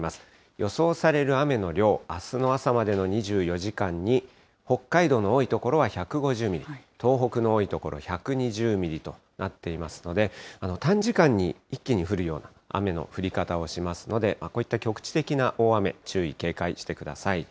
予想される雨の量、あすの朝までの２４時間に、北海道の多い所は１５０ミリ、東北の多い所、１２０ミリとなっていますので、短時間に一気に降るような雨の降り方をしますので、こういった局地的な大雨、注意警戒してください。